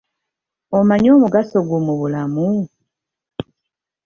Omanyi omugaso gwo mu bulamu?